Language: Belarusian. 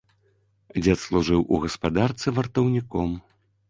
Дзед служыў у гаспадарцы вартаўніком.